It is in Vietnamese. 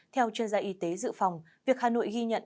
theo chuyên gia y tế dự phòng việc hà nội ghi nhận